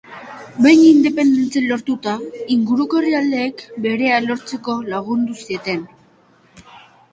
Behin independentzia lortuta, inguruko herrialdeek berea lortzeko lagundu zieten.